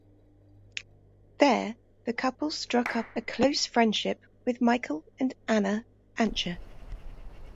There the couple struck up a close friendship with Michael and Anna Ancher.